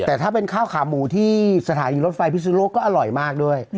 แต่ถ้าเป็นข้าวขาหมูที่สถานีรถไฟพิสุนโลกก็อร่อยมากด้วย